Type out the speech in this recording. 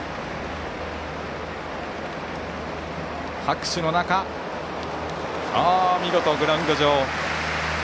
拍手の中、見事グラウンド上。